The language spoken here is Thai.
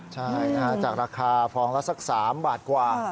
ใช่จากราคาฟองละสัก๓บาทกว่า